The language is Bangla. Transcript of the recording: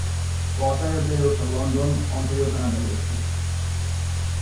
পটারের বেড়ে ওঠা লন্ডন, অন্টারিও কানাডা হয়েছিল।